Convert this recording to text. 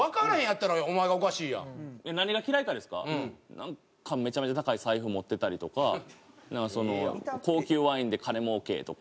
なんかめちゃめちゃ高い財布持ってたりとかなんかその高級ワインで金もうけとか。